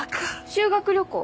修学旅行。